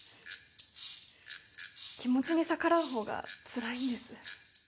気持ちに逆らうほうがつらいんです。